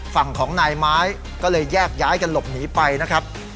ฝั่งของนายไม้ก็เลยแยกย้ายกันหลบหนีไปนะครับ